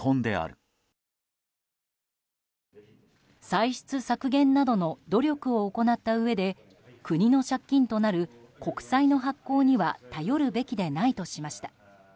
歳出削減などの努力を行ったうえで国の借金となる国債の発行には頼るべきでないとしました。